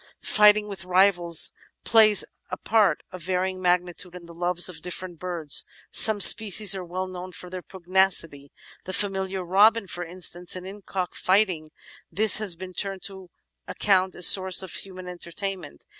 Fighting with rivals plays a part of varying magnitude in the loves of different birds. Some species are well known for their pugnacity, the familiar Robin for instance; and in cock fighting this has been turned to account as a source of human entertainment.